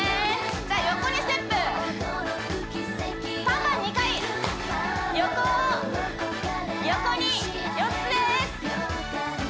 じゃあ横にステップパンパン２回横横に４つです